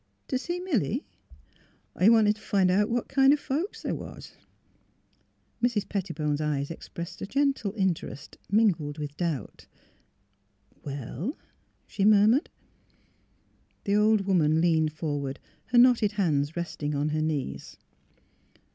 '' To see Milly? "'' I wanted t' find out what kind o' folks they was." Mrs. Pettibone's eyes expressed a gentle in terest mingled with doubt. '' Well? " she murmured. The old woman leaned forward, her knotted hands resting on her knees.